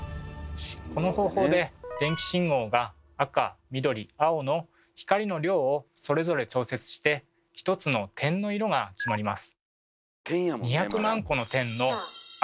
この方法で電気信号が赤緑青の光の量をそれぞれ調節して１つの点の色が決まります。